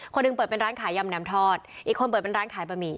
หนึ่งเปิดเป็นร้านขายยำน้ำทอดอีกคนเปิดเป็นร้านขายบะหมี่